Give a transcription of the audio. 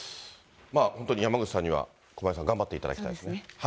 本当に山口さんには、駒井さん、頑張っていただきたいですね。